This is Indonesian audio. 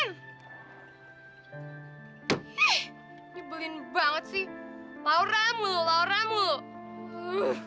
nyebelin banget sih laura mulu laura mulu